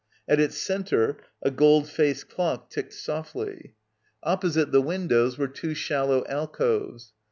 At its centre a gold faced clock ticked softly. Opposite the windows were two shallow alcoves.